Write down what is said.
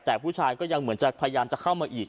แต่ผู้ชายก็ยังเหมือนจะพยายามจะเข้ามาอีก